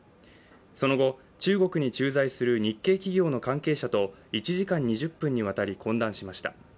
その後、中国に駐在する日系企業の関係者と１時間２０分にわたり懇談しました。